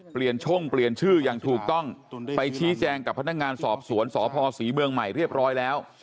ช่องเปลี่ยนชื่ออย่างถูกต้องไปชี้แจงกับพนักงานสอบสวนสพศรีเมืองใหม่เรียบร้อยแล้ว